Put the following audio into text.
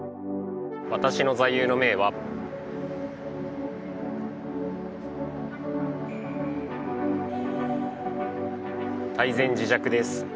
私の座右の銘は「泰然自若」です